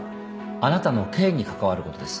あなたの刑に関わることです。